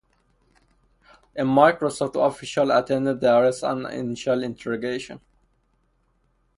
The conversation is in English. A Microsoft official attended the arrest and the initial interrogation.